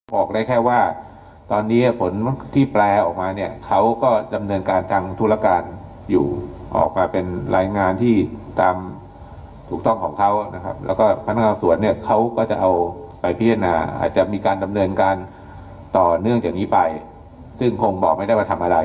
บอกได้แค่ว่าตอนนี้ผลที่แปลออกมาเนี่ยเขาก็ดำเนินการทางธุรการอยู่ออกมาเป็นรายงานที่ตามถูกต้องของเขานะครับแล้วก็พนักงานสวนเนี่ยเขาก็จะเอาไปพิจารณาอาจจะมีการดำเนินการต่อเนื่องจากนี้ไปซึ่งคงบอกไม่ได้ว่าทำอะไร